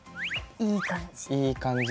いい感じ。